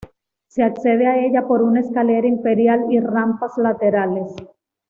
Se accede a ella por una escalera imperial y rampas laterales.